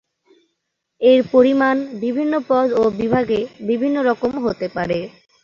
এর পরিমান বিভিন্ন পদ ও বিভাগে বিভিন্ন রকম হতে পারে।